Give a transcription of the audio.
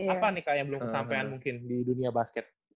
apa nih kak yang belum kesampean mungkin di dunia basket